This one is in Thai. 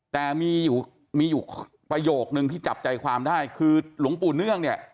แต่มีอยู่มีอยู่ประโยคนึงที่จับใจความได้คือหลวงปู่เนื่องเนี่ย